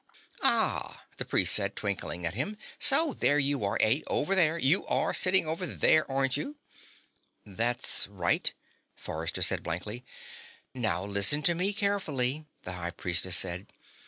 "Ah," the priest said, twinkling at him. "So there you are, eh? Over there? You are sitting over there, aren't you?" "That's right," Forrester said blankly. "Now listen to me carefully," the High Priestess said.